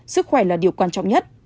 sức khỏe là điều quan trọng nhất